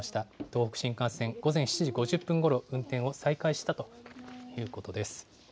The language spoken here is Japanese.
東北新幹線、午前７時５０分ごろ、運転を再開したということです。